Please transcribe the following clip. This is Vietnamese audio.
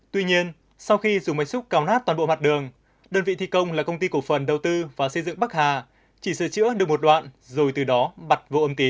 tuy nhiên sau khi dùng máy xúc cào nát toàn bộ mặt đường đơn vị thi công là công ty cổ phần đầu tư và xây dựng bắc hà chỉ sửa chữa được một đoạn rồi từ đó bật vô âm tí